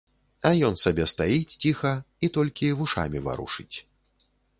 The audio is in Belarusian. А ён сабе стаіць ціха і толькі вушамі варушыць.